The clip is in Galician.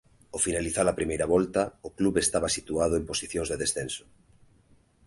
Ao finalizar a primeira volta o club estaba situado en posicións de descenso.